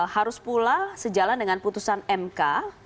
harus pula sejalan dengan putusan mk